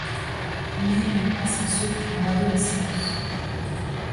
Mais elles passent ensuite à l'adolescence.